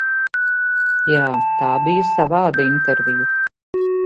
Jā, tā bija savāda intervija.